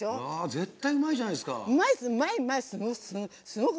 絶対うまいじゃないですか。